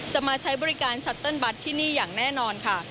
มาใช้บริการชัตเติ้ลบัตรที่นี่อย่างแน่นอนค่ะ